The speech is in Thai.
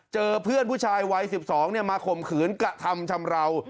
เจอเพื่อนผู้ชายวัย๑๒มาข่มขืนกระทำชำราว